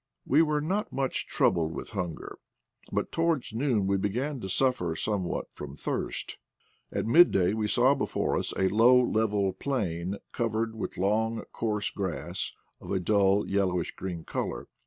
We were not much troubled with hunger, but towards noon we began to suffer some what from thirst. At midday we saw before us a low level plain, covered with long coarse grass of a dull yellowish green color.